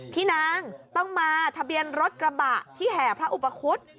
พี่นางต้องมาทะเบียนรถกระบะที่แห่พระอุปคุฎ